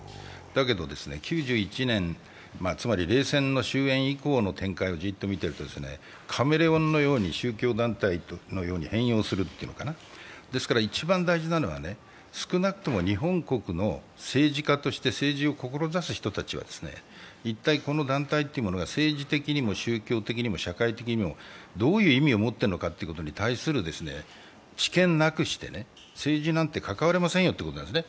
だけど９１年、つまり冷戦の終焉以降の展開をずっと見ているとカメレオンのように宗教団体のように変容するというのかな、ですから一番大事なのは少なくとも日本国の政治家として政治を志す人たちは、一体この団体が政治的にも宗教的にも社会的にもどういう意味を持っているのかということに対する知見なくして政治なんて関われませんよということなんですね。